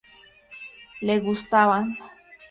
Le gustaban.